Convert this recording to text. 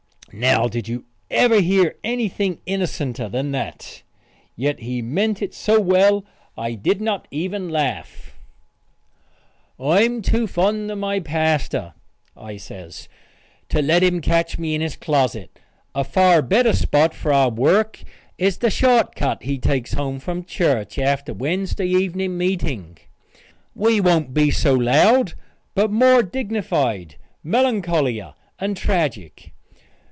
Now did you ever hear anything innocenter than that? Yet he meant it so well I did not even laugh. "I'm too fond of my pastor," I says, "to let him catch me in his closet. A far better spot for our work is the short cut he takes home from church after Wednesday evening meeting. We won't be so loud, but more dignified, melancholier, and tragic.